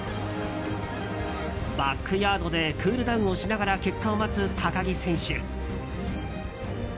バックヤードでクールダウンをしながら待つ高木選手。